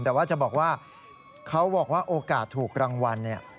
แต่ว่าจะบอกว่าเขาบอกว่าโอกาสถูกรางวัลเนี่ย